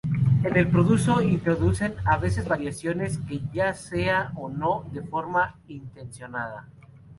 En el proceso introducen a veces variaciones, ya sea o no de forma intencionada.